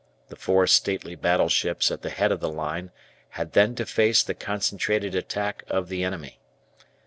The four stately battleships at the head of the line had then to face the concentrated attack of the enemy.